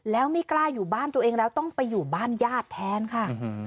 แล้วไม่กล้าอยู่บ้านตัวเองแล้วต้องไปอยู่บ้านญาติแทนค่ะ